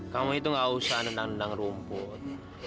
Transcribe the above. kamu itu gak usah nendang nendang rumput